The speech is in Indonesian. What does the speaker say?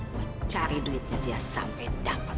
buat cari duitnya dia sampai dapat